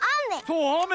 そうあめ。